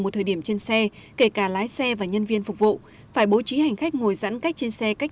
ngồi trên xe kể cả lái xe và nhân viên phục vụ phải bố trí hành khách ngồi giãn cách trên xe cách